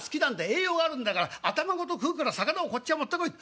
栄養があるんだから頭ごと食うから魚をこっちへ持ってこい』。